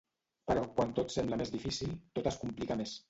Però quan tot sembla més difícil, tot es complica més.